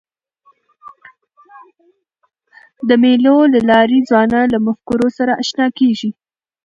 د مېلو له لاري ځوانان له مفکورو سره اشنا کېږي.